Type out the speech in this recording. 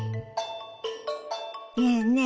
ねえねえ